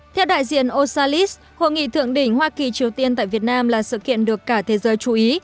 theo đại diện osalis hội nghị thượng đỉnh hoa kỳ triều tiên tại việt nam là sự kiện được cả thế giới chú ý